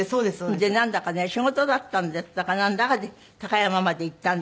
でなんだかね仕事だったんだかなんだかで高山まで行ったんですよ。